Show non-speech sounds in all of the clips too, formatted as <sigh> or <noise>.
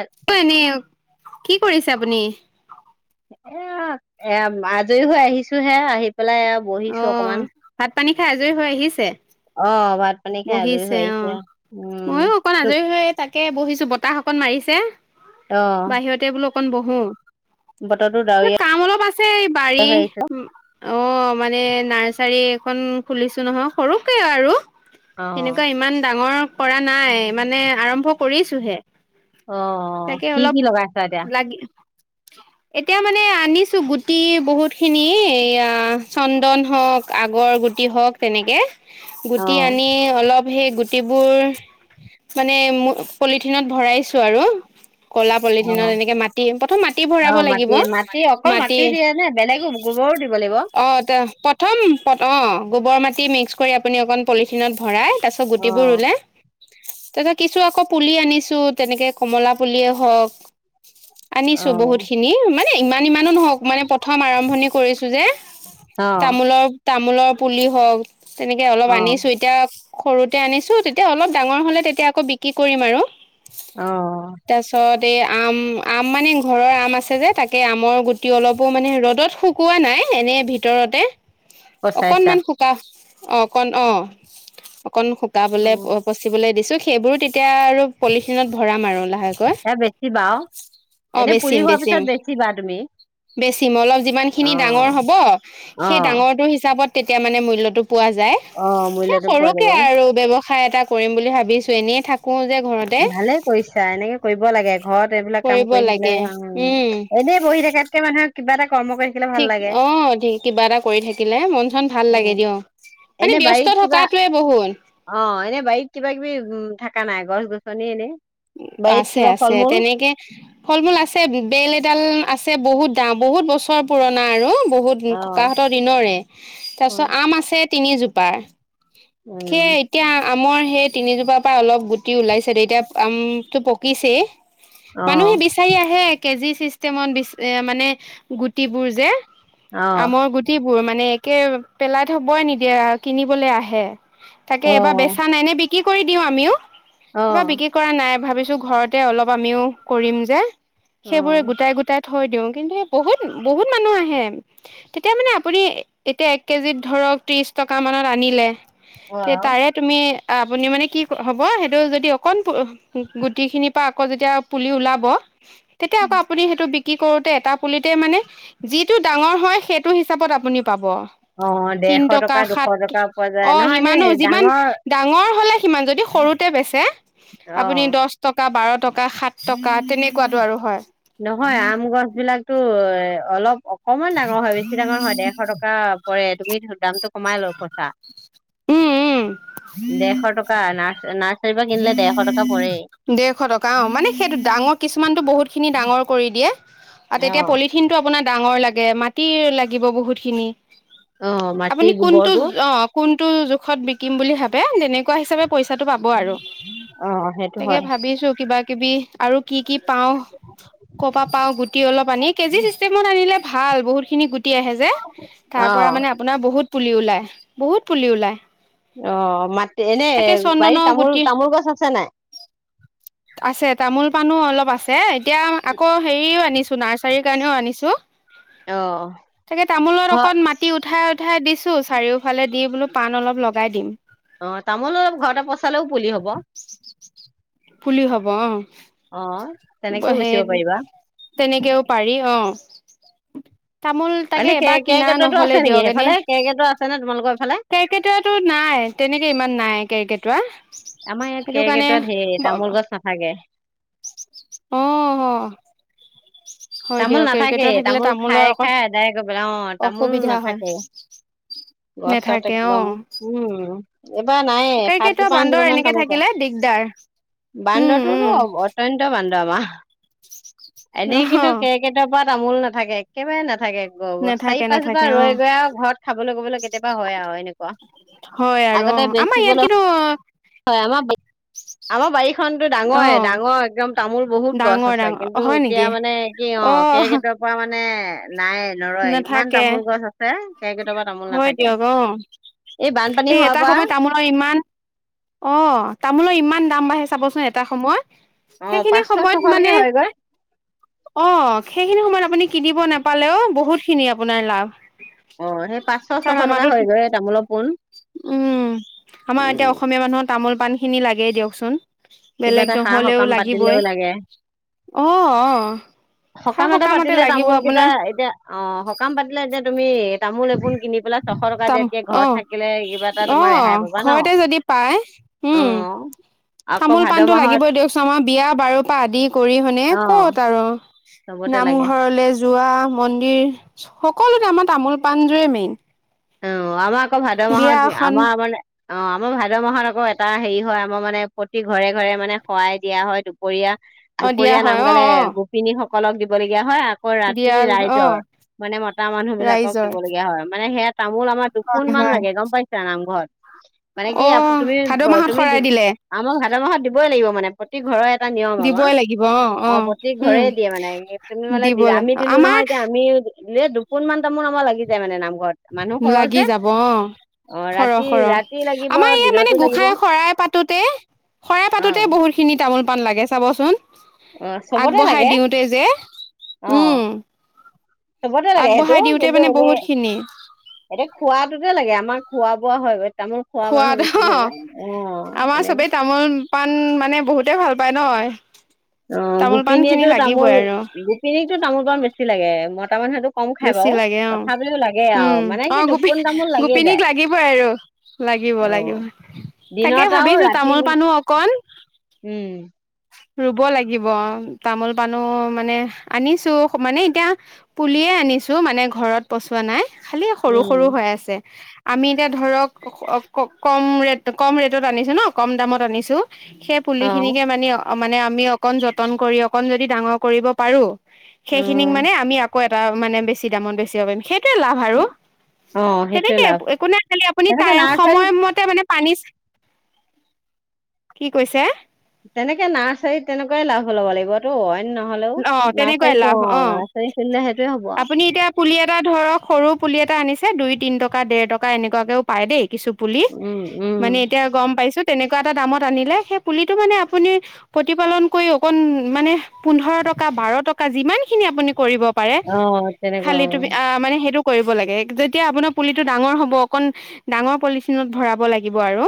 এ মানে কি কৰিছে? চাবুনি এ এয়া আজৰি হৈ আহিছোহে আহি। পেলাই আ অ বহিছো অকমান ভাত পানী খাই আজৰি হৈ আহিছে। অ ভাত পানী খাই আজৰি হৈ বহিছে অ আহিছো উম ময়ো অকণ আজৰি হৈ তাকে বহিছো বতাহ অকন মাৰিছে। অ বাহিৰতে বোলো। অকনবহো বতৰতো এ ডাৱৰীয়া কাম অলপ আছে বাৰী হৈ আহিছে উম অ, মানে নাৰ্চাৰী এখন খুলিছো নহয় সৰুকে আৰু, অ এনেকুৱা ইমান ডাঙৰ কৰা নাই মানে আৰম্ভ কৰিছোহে। অ', তাকে অলপ কি-কি লগাই আছা এতিয়া? লাগি এতিয়া মানে আনিছো গুটি বহুত খিনি এয়া চন্দন হওক আগৰ গুটি হওক তেনেকে। অ গুটি আনি অলপ সেই গু গুটিবোৰ মানে পলিথিনত ভৰাইছো আৰু। কলা অ পলিথিনত এনেকে মাটি প্ৰথম মাটি অ ভৰাব লাগিব মাটি মাটি অকল মাটি দিয়ে নে বেলেগো গোবৰো দিব লাগিব অ প্ৰথম অ', গোবৰ মাটি মিক্স কৰি আপুনি অকণ পলিথিনত ভৰাই তাৰপছত গুটিবোৰ ৰুলে তাৰপ কিছু আকৌ পুলি আনিছো তেনেকে কমলা পুলিয়েই হওক অ আনিছো বহুত খিনি মানে ইমান ইমানো নহওক মানে প্ৰথম আৰম্ভণি কৰিছো যে। অ তামোলৰ তামোলৰ পুলি হওক তেনেকে অলপ অ আনিছো এটি সৰুতে আনিছো তেতিয়া অলপ ডাঙৰ হলে তেতিয়া আকৌ বিক্ৰী কৰিম আৰু। অ', আম-আম মানে ঘৰৰ আম আছে যে তাকে আমৰ গুটি অলপো মানে ৰ'দত শুকোৱা নাই এনে ভিতৰতে পচাইছা অকণমান ককা <unintelligible> অঁ কণ অঁ অন অ শুকাবলৈ পচিবলৈ দিছো। সেইবোৰো তেতিয়া আৰু পলিথিনত ভৰাম আৰু লাহেকৈ এ বেছি বা অ এনে পুলি হোৱাৰ পিছত বেছি বা তুমি। বেছি মল <unintelligible> যিমানখিনি অ ডাঙৰ হ'ব। অ সেই ডাঙৰটো হিচাপ পতাপত তেতিয়া মানে মূল্যটো পোৱা যায়। অ সেই মূল্যটো পোৱা সৰুকে যাব আৰু বেৱ ঠাই এটা কৰিম বুলি ভাবিছো এনেই থাকো যে ঘৰতে ভালে কৰিছা এনেকে কৰিব লাগে। ঘৰত এইবিলাক কাম কৰিব কৰি থাকিলে লাগে উম এনেই বহি থকাতকে মানুহে কিবা এটা কৰ্ম কৰি থাকিলে ভাল ঠিক লাগে অ', ঠিক কিবা এটা কৰি থাকিলে মন চন ভাল লাগে উম দিয়ক, মানে এনে ব্যস্ত বাৰীত কিবা থকাটোৱে বহুত। অ এনে বাৰীত কিবা কিবি উম থকা নাই গছ - গছ <unintelligible> তনি এনে <unintelligible> বাৰীত আছে কিবা ফল -আছে মূল তেনেকে ফল মূল আছে বেল এডাল আছে। ছে বহুত দাম বহুত বছৰ পুৰণা আৰু বহুত অ ককাহতৰ দিনৰে। অ তাৰপিছত আম আছে। তিনিজোপা। সেই উম এতিয়া <unintelligible> আমৰ সেই তিনিজোপাৰ পৰা অলপ গুটি ওলাইছে তেতিয়া আম তো পকিছে। অ মানুহে বিচাৰি আহে কেজি চিষ্টেমত বি মানে গুটিবোৰ যে। অ আমৰ গুটিবোৰ মানে কে', পেলাই থবই নিদিয়ে আৰু কিনিবলৈ আহে। তাকে অ এবাৰ বেচা নাই নে কি কৰি দিওঁ আমিও? এবাৰ বিক্ৰী অ', নাই ভাবিছো ঘৰতে অলপ আমিও কৰিম যে। অ সেইবোৰে গোটাই- গোটাই থৈ দিও কিন্তু বহুত -বহুত মানুহ আহে, তেতিয়া মানে আপুনি এতিয়া এক কেজিত ধৰক ত্ৰিশ টকা মানত আনিলে অ তে ', তাৰে তুমি অ ', আপুনি মানে কি হ'ব সেইটো যদি অকণ গুটি খিনিৰ পৰা আকৌ যেতিয়া পুলি ওলাব? তেতিয়া আকৌ আপুনি সেইটো কি কৰোতে এটা পুলিতে মানে যিটো ডাঙৰ হয় সেইটো হিচাপত আপুনি পাব অ ', তিন ডেৰশ টকা দুশ সাত টকা পোৱা যায় অ ', নহয় এনে সিমানো যিমান ডাঙৰ ডাঙৰ হলে সিমান যদি সৰুতে বেচে? আপুনি অ দহ টকা বাৰ টকা সাত টকা তেনেকুৱাাতো আৰু হয়? নহয় আম গছ বিলাক টো অলপ অকমান ডাঙৰ হয় বেছি ডাঙৰ হয় ডেৰশ টকা পৰে তুমি ধ দামটো কমাই লোৱা খচা? উম উম দেৰশ টকা না? নাৰ্চাৰীৰ পৰা কিনিলে ডেৰশ টকা। পৰে দেৰশ টকা অ', মানে সেইটো ডাঙৰ কিছুমানতটো বহুত খিনি ডাঙৰ কৰি দিয়ে। আৰু তেতিয়া পলিথিন টো আপোনাৰ ডাঙৰ লাগে। গে মাটি লাগিব বহুত খিনি। অ আপুনি মাটিৰ কোনটো গোবৰটো অ', কোন টো জোখত বিকিম বুলি ভাবে তেনেকুৱা হিচাপে পইচাটো পাব আৰু অ ', সেইটো। তাকে হয় ভাবিছো কিবা কিবি আৰু কি-কি পাও ক' পৰা পাও গুটি অলপ আনি কেজি চিষ্টেমত আনে ভাল বহুত খিন আহে যে অ তাৰ পৰা মানে আপোনাৰ বহুত পুলি ওলায় বহুত পুলি ওলায়। অ', মাটি এনে তাকে বাৰীত চন্দনৰ গুটি তামোল-তামোল গছ আছে নাই। আছে তামোল পাণো অলপ আছে। এতিয়া আকৌ হেৰিও আনিছো। নাৰ্চাৰীৰ কাৰণেও আনিছো। অ তাকে তামোলৰ ঘৰ অকণ মাটি উঠাই উঠাই দিছো চাৰিওফালে দি বোলো পাণ অলপ লগাই দিম। অ', তামোল অলপ ঘৰতে পচালেও পুলি হব। পুলি হব অ', অ তেনেকেও বেচিব সেই পাৰিবা তেনেকেও পাৰি অ', উ <inaudible> মানে কে কেকটটো আছে নেকি দিয়ক এনে সেইফালে কেকেইটৰ আছে ন কেৰ্কেটুৱাটো নাই তেনেকে ইমান নাই। কেকেইটুৱা আমাৰ ইয়াত কেৰ্কেটুৱা ধেই তামোল গছ নাথাকে। আহ, তামোল নাথাকে তামোল অকণ খাই-খাই আদায় কৰিব অ', তামোল অসুবিধা হয় নাথাকে গছত নেথাকে অ একদম উম, এইবাৰ নাই সাতো কেৰ্কেটুৱা বান্দৰ পাঁচজোপ মান এনেকে তামৰ পৰা থাকিলে দিগদাৰ উম উম বান্দৰটোতো অত্যয়ন্ত বান্দৰ ামা <unintelligible> অহ', াত <unintelligible> তমোল নথে একেবাৰে ন। নেথাকে চাৰি নেথাকে পাঁচজোপা নেথাকে অ ৰৈ গৈ আৰু ঘৰত খাবলৈ গবলৈ কেতিয়াবা হয় আৰু এনেকুৱা হয় আৰু অ আগতে আমাৰ ইয়াত বেচিবলৈ কিন্তু হয় আমাৰ আমাৰ বাৰী। নতটো অ ডাঙৰে ডাঙৰ একদম তামোল বহুত গছ ডাঙৰ আছে। ডাঙৰ কিন্তু হয় এতিয়া নেকি মানে অ কেকেটুৱা পৰা মানে এহ নাই নৰয় ইমান নেথাকে তামোল গছ আছে। কেৰ্কেটুৱাৰ পৰা তামোল হয়, নাথাকে দিয়ক অ বানপানী এই হোৱাৰ এটা পৰা সময়ত তামোলৰ ইমান অ তামোলৰ ইমান দাম বাঢ়ে চাবচোন এটা সময়ত অ সেইখিনি পাঁচশ সময়ত মানে ছশলৈকে হয়গৈ অ সেইখিনি সময়ত আপুনি কিনিব নাপালেও বহুত। খিনি আপোনাৰ লাভ। অ সেই পাঁচশ ছশ কাৰণ টকা আমাৰো হয়গৈ তামোলৰ পোন উম আমাৰ এতিয়া উম অসমীয়া মানুহৰ তামোল পান খিনি লাগেই দিয়কচোন। কিবা বেলেগ এটা সাৰ নহলেও সকাম লাগিবই। পাতিলেও লাগে অ', অ', খা সকাম এটা সকামতে পাতিলে লাগিব তামোল কেইটা আপোনাৰ এতিয়া অ সকাম পাতিলে এতিয়া। তুমি, তামোল এপোন কিনি পেলাই। ছশ টকা তাম দিয়াতকে ঘৰত আহ থাকিলে কিবা এটা তোমাৰ ৰেহাই পাবা আহ ন ঘৰতে যদি পায় অ উম, আকৌ চামোল ভাদ পাণটো মাহত লাগিবই দিয়কচোন আমাৰ বিয়া বাৰ পৰা আদি কৰি শুনে অ ক'ত আৰু। চবতে লাগে নামঘৰলে যোৱা মন্দিৰ হক সকলোতে আমাৰ তামোল পাণযোৰেই মেইন। অ আমাক আকৌ ভাদ বিয়া মাহত এখন আমাৰ আমাৰ অ আমাৰ ভাদ মাহত আকৌ। এটা হেৰি হয় আমাৰ মানে প্ৰতি ঘৰে ঘৰে মানে সয়াই দিয়া হয় দুপৰীয়া অ দিয়া দুপৰীয়া নাম হয় অ গালে অ গোপিনী সকলক দিব লগগীয়া হয়। আকৌ ৰাতি দিয়া অ ৰাইজৰ মানে মতা মানুহ বিলাকক ৰাইজৰ দিব লগগীয়া হয়। মানে সেয়াত তামোল আমাৰ দুপোন হয় মান হয় লাগে গম পাইছা নামঘৰত। মানে কি অ তুমি ভাদ মাহত তুমি শৰাই দিলে আমাৰ ভাদ মাহত দিবই লাগিব। মানে প্ৰতি ঘৰৰে এটা নিয়ম আমাৰ অ প্ৰতি উম ঘৰে দিয়ে মানে তুমি মানে দিব লাগে আমি দিলো নহয় আমাৰ এতিয়া আমি। এ দুপোন মান তামোল আমাৰ লাগি যায় মানে নামঘৰ লাগি যাব অ অ সৰহ ৰাতি ৰাতি সৰহ লাগিব আমাৰ ই মানে দিনতো লাগিব গোসাঁই শৰাই পাতোতে শৰাই অ পাতোতে বহুত খিনি তামোল খন লাগে চাবচোন অ চবতে আগবঢ়াই লাগে দিওঁতে যে অ উম চবতে লাগে সেইটো আগবঢ়াই দিওঁতে কিন্তু মানে এনেই বহুত খিনি। এতিয়া খোৱাটোতে লাগে। আমাৰ খোৱা-বোৱা হয় গৈ। তামোল খোৱা মানুহ খোৱাদ বেছি অ হৈ যায় অ আমাৰ এনে চবেই তামোল, পাণ মানে বহুত। তে ভাল পাই নহ। অ গোপিনীয়েতো তামোল গোপিনীকতো তামোল পাণ বেছি লাগে মই। বেছি লাগে অ লাগে আৰু উম মানে অ কি গোপিন দুপোন তামোল লাগিয়ে গোপিনীক যায় লাগিবই আৰু লাগিব অ লাগিব তাকে দিনত আৰু ভাবিছো ৰাতি তামোল, পাণো অকণ। উম ৰুব লাগিব অ তামোল পাণো মানে আনিছো মানে এতিয়া পুলিয়ে আনিছো মানে ঘৰত পচোৱা নাই। খালি সৰু উম সৰু হৈ আছে। আমি এতিয়া ধৰক ক ক কম ৰেট কম ৰেটত আনিছোঁ ন কম দামত আনিছোঁ। সেই পুলি অ খিনিকে মানে। মানে আমি অকণ যতন কৰি অকণ যদি ডাঙৰ কৰিব পাৰো। সেইখিনিক উম মানে আমি আকৌ। এ মানে বেছি দামত বেছিব পাৰিম সেই। কি লাভ আৰু অ সেইটোৱে তেনেকে লাভ একো নাই খালি আপুনি তেনেকে টাইম নাৰ্চাৰী সময়মতে মানে। পানীচ কি কৈছে? তেনেকে নাৰ্চাৰীত তেনেকৈয়ে লাভ ল'ব লাগিব তো হয়নে নহয়। হেল্লো অ তেনেকুৱাই নাৰ্চাৰী লাভ অ নাৰ্চাৰী খুলিলে সেইটোয়ে হ'ব আৰু। আপুনি এতিয়া পুলি এটা ধৰক সৰু পুলি এটা আনিছে দুই তিন টকা দেৰ টকা এনেকুৱাকেও পায় দেই কিছু। পুলি উম, উম, মানে এতিয়া গম পাইছো। তেনেকুৱা এটা দামত আনিলে সেই পুলিটো মানে আপুনি প্ৰতিপালন কৰি অকণ মানে। পোন্ধৰ টকা, বাৰ টকা যিমানখিনি আপুনি কৰিব। পাৰে অ' তেনেকুৱা খালি তুমি অ' আ মানে সেইটো। কৰিব লাগে যেতিয়া আপোনাৰ পুলিটো ডাঙৰ হ'ব অকণ ডাঙৰ পলিথিনত ভৰাব লাগিব। লাগিব আৰু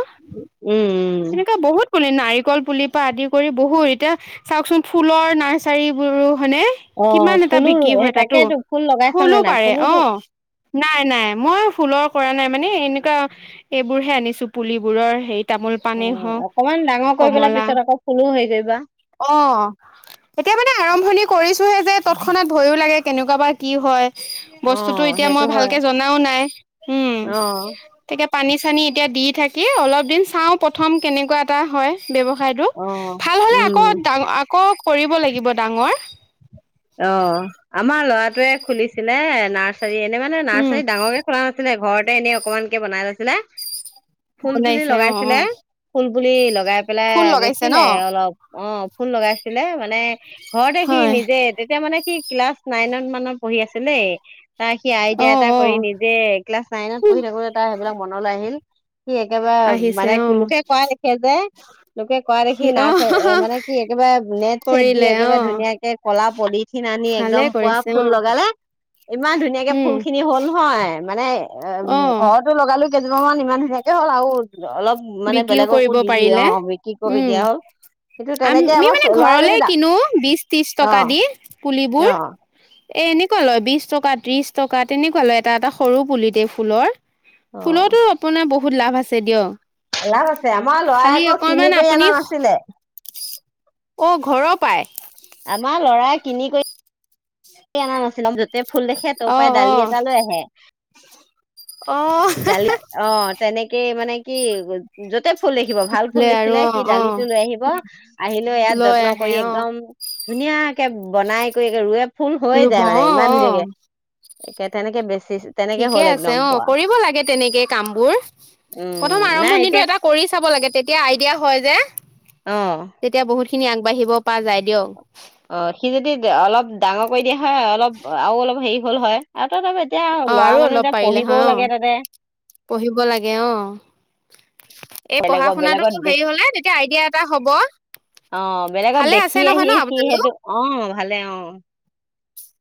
উম, উম, তেনেকুৱা বহুত। <unintelligible> নাৰিকল পুলি পৰা আদি কৰি বহুত এতিয়া চাওকচোন ফুলৰ। <unintelligible> চাৰি বোৰো। হয়নে অ' কিমান এটা ফুলো বিক্ৰী সেই হয় তাতো তাকেইতো ফুল লগাইছা ফুলো নে নাই পাৰে অ। ফুলোতো নাই নাই মই ফুলৰ কৰা নাই মানে এনেকুৱা এইবোৰহে আনিছো পুলিবোৰৰ হেৰিত। অ অকমান ডাঙৰ কৰিপেলাই পিছত আকৌ ফুলো হেৰি কৰিবা। অ এতিয়া মানে আৰম্ভণি কৰিছো। যে তৎক্ষণাত ভয়ো লাগে কেনেকুৱা বা কি হয়। বস্তুতো অ' এতিয়া সেইটো মই হয় ভালকে জনাও নাই উম অ' তাকে। পানী চানী এতিয়া দি থাকি অলপ দিন চাওঁ প্ৰথম কেনেকুৱা এটা হয়। ব্যৱসায়টো অ' ভাল হলে উম, আকৌ ডাঙ আকৌ কৰিব লাগিব। ডাঙৰ। অ' আমাৰ ল'ৰাটোৱে খুলিছিলে নাৰ্। চ এনে মানে উম নাৰ্চাৰ ডাঙৰকে খুলা নাছিলে ঘৰতে এনেই অকমানকে বনাই লৈছিলে। ফুল পুলি বনাইছে অ লগাইছিলে অ ফুল। <unintelligible> ব বুলি লগাই পেলাই ফুল লগাইছে ন বেচিলে অলপ অ ফুল লগাইছিলে মানে ঘৰতে সি হয় নিজে। মানে সি ক্লাছ নাইন মানৰ পঢ়ি আছিলে। তাৰ সি অ আইডিয়া এটা অ কৰি নিজে ক্লাছ নাইনত পঢ়ি থাকোতে তাৰ সেইবিলাক মনলৈ আহিল। সি একেবাৰে আহিছে মানে অ লোকে কোৱা দেখে যে লোকে ক দেখি সি অ নাৰ্চাৰ মানে কি একেবাৰে নেট চেট দি কৰিলে অ একেবাৰে ধুনীয়াকে কলা পলিথিন আনি ভালে একদম পুৱা কৰিছে ফুল অ লগালে ইমান ধুনীয়াকে উম ফুল খিনি হ'ল নহয় মানে এ অ ঘৰতো লগালো। কেইজোপাান ইমান ধুনীয়াকে হ'ল আৰু অলপ মানে বিক্ৰীও বেলেগকো কৰিব দি দিয়ে অ পাৰিলে বিক্ৰী কৰি উম দিয়া হ'ল। কিন্তু তেনেকে আমি আমাৰ মানে লৰাই ঘৰলে যদি দা কিনো বিশ ত্ৰিশ অ টকা দি অ পুলিবোৰ এ এনেকুৱা লয় বিশ টকা ত্ৰিশ টকা তেনেকুৱা লয় এটা এটা সৰু পুলিতে ফুলৰ। অ ফুলতো আপোনাৰ বহুত বহুত লাভ আছে দিয়ক। লাভ আছে আমাৰ লৰাই খালি আকৌ কিনি অকনমান কৰি আপুনি অনা নাছিলে। অ ঘৰৰ পাই আমাৰ লৰাই কিনি কৰি অনা নাছিল। য'তে ফুল দেখে তাৰ অ পৰাই অ ডালি এটা লৈ আহে। বোলে গালি, অ তেনেকে মানে কি যতে ফুল দেখিব ভাল ফুল আৰু দেখিলে অ সি অ ডালিটো লৈ আহিব আহিলে ইয়াত লৈ যত্ন আহে কৰি অ একদম। ধুনীয়াকে বনাই কৰি ৰোৱে। ফুল হৈয়ে ৰুব যায় মানে অ ইমান অ ধুনীয়াকে। তেনেকে বেছি তেনেকে ঠিকে হ'ল আছে একদম অ পোৱা। কৰিব লাগে তেনেকে কামবোৰ উম প্ৰথম নাই আৰম্ভণিটো এতিয়া এটা কৰি চাব লাগে তেতিয়া আইডিয়া হয়। যে আহ, তেতিয়া বহুত খিনি আগবাঢ়িব পৰা যায় দিয়ক। অ', সি যদি অলপ ডাঙৰ কৰি দিয়া হয় অলপ আৰু অলপ হেৰি গল হয় আৰু ত এতিয়া অ', ল'ৰা আৰু মানুহ অলপ এতিয়া পাৰিলে পঢ়িবও হয় লাগে অ', তাতে পঢ়িব লাগে অ', এই পঢ়া বেলেগৰ শুনাটো বেলেগত দে হেৰি হলে তেতিয়া আইডিয়া এটা হ'ব, অ বেলেগত ভালে দেখি আছে নহয় আহি ন সি আপোনালোক? সেইটো অ ভালে অ,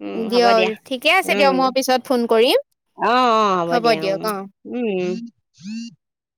উম হ'ব দিয়ক দিয়া ঠিকে আছে দিয়ক উম মই পিছত ফোন কৰিম অ', অ', হ'ব দিয়া উম, দিয়ক অ', উম <inaudible>